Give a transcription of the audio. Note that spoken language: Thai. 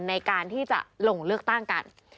ในการที่จะลงเลือกตั้งกัน